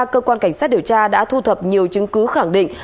cơ quan cảnh sát điều tra đã thu thập nhiều chứng cứ khẳng định